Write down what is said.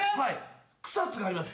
草津があります。